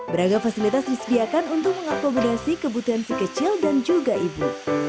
beragam fasilitas disediakan untuk mengakomodasi kebutuhan si kecil dan juga ibu